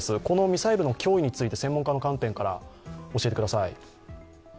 このミサイルの脅威について専門家の観点から教えてください。